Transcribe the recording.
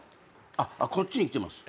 あっこっちに来てます。